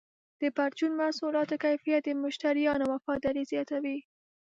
د پرچون محصولاتو کیفیت د مشتریانو وفاداري زیاتوي.